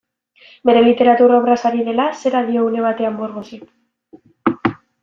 Bere literatur obraz ari dela, zera dio une batean Borgesek.